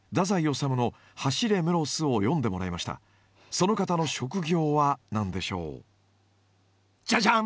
その方の職業は何でしょう？じゃじゃん！